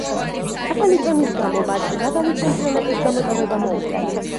ახალი წონის გამო მას მრავალი ჩემპიონატის გამოტოვება მოუხდა.